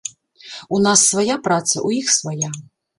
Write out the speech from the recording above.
У нас свая праца, у іх свая.